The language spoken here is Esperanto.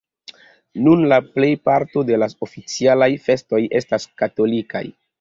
Nun la plejparto de la oficialaj festoj estas katolikaj.